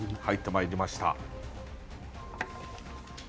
入ってまいりました。